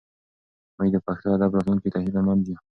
موږ د پښتو ادب راتلونکي ته هیله مند یو.